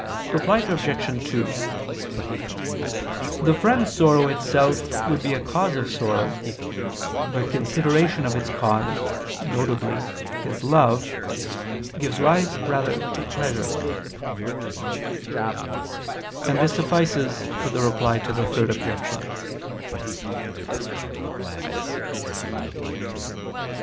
Reply Obj. 2: The friend's sorrow itself would be a cause of sorrow: but consideration of its cause, viz. his love, gives rise rather to pleasure. And this suffices for the reply to the Third Objection.